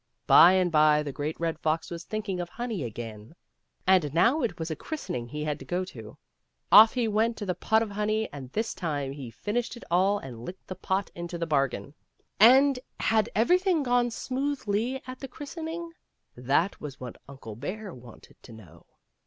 By and by the Great Red Fox was thinking of honey again, and now it was a christening he had to go to. Off he went to the pot of honey, and this time he finished it all and licked the pot into the bargain. And had everything gone smoothly at the christening? That was what Uncle Bear wanted to know.